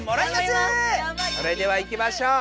それではいきましょう。